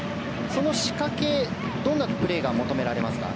その仕掛けどんなプレーが求められますか？